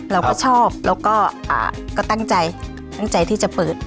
เราก็ชอบแล้วก็ตั้งใจตั้งใจที่จะเปิด